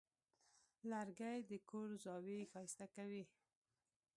لرګی د کور زاویې ښایسته کوي.